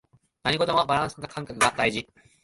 何事もバランス感覚が大事